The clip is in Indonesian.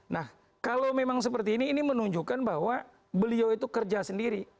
nah kalau memang seperti ini ini menunjukkan bahwa beliau itu kerja sendiri